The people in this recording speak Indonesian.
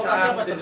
sedang kita dalam